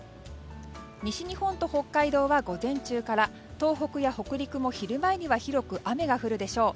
西日本と北海道は午前中から東北や北陸も昼前には広く雨が降るでしょう。